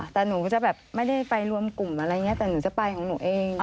แต่หนูจะแบบไม่ได้ไปรวมกลุ่มอะไรอย่างนี้แต่หนูจะไปของหนูเอง